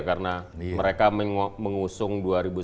karena mereka mengusung